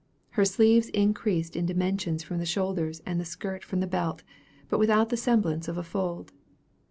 Her sleeves increased in dimensions from the shoulders, and the skirt from the belt, but without the semblance of a fold.